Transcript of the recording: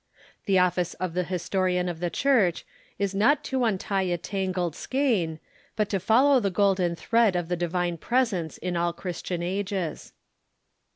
The office of the historian of the Church is not to untie a 4 THE EARLY CHURCH tangled skein, but to follow the golden thread of the divine presence in all Christian ages.